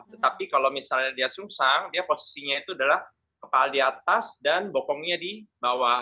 tetapi kalau misalnya dia sungsang dia posisinya itu adalah kepala di atas dan bokongnya di bawah